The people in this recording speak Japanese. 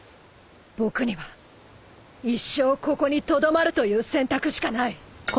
僕には一生ここにとどまるという選択しかない。